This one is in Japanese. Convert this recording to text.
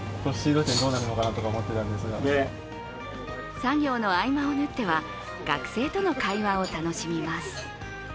作業の合間を縫っては学生との会話を楽しみます。